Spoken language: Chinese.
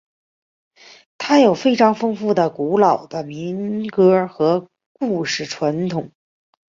它有非常丰富和古老的民歌和故事传统。